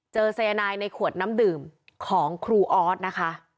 สายนายในขวดน้ำดื่มของครูออสนะคะ